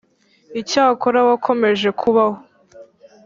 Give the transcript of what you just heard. Icyakora wakomeje kubaho,